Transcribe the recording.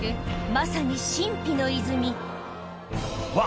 まさに神秘の泉うわ！